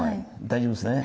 大丈夫ですね？